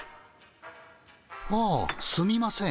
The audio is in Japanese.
ああすみません。